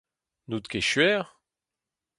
N'out ket skuizh ?